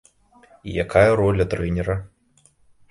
І якая роля трэнера?